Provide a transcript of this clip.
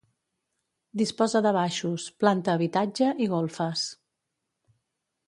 Disposa de baixos, planta habitatge i golfes.